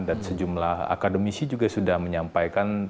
dan sejumlah akademisi juga sudah menyampaikan